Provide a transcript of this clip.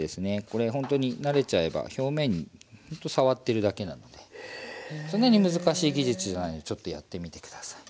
これほんとに慣れちゃえば表面にほんと触ってるだけなのでそんなに難しい技術じゃないのでちょっとやってみて下さい。